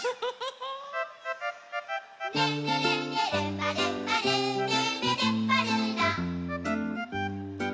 「ルンルルンルルンバルンバルンルルルパルーラ」